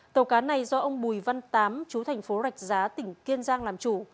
tàu cá này do ông bùi văn tám chú thành phố rạch giá tỉnh kiên giang làm chủ